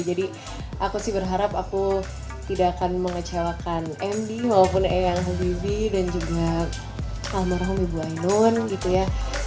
jadi aku sih berharap aku tidak akan mengecewakan md maupun eang habibie dan juga pemeran ibu ainun gitu ya